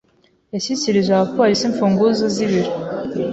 Yashyikirije abapolisi imfunguzo z’ibiro.